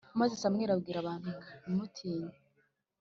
Maze Samweli abwira abantu ati Ntimutinye